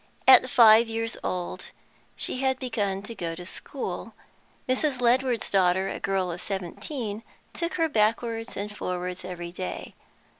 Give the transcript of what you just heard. At five years old she had begun to go to school; Mrs. Ledward's daughter, a girl of seventeen, took her backwards and forwards every day.